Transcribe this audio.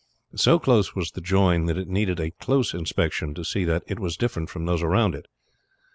So close was the join that it needed a close inspection to see that it was different from those around it.